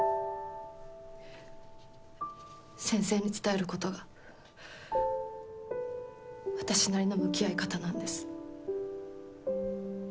先生に伝える事が私なりの向き合い方なんです。